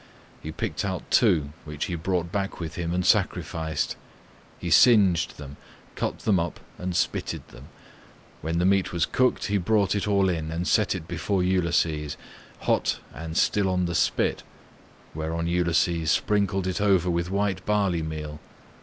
He picked out two which he brought back with him and sacrificed. He singed them, cut them up, and spitted them; when the meat was cooked he brought it all in and set it before Ulysses, hot and still on the spit, whereon Ulysses sprinkled it over with white barley meal.